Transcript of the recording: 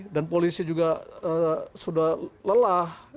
dan polisi juga sudah lelah